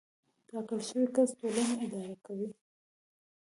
ټاکل شوی کس ټولنه اداره کوي.